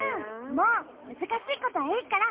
もうむずかしいことはいいから！